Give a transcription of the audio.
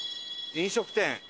飲食店。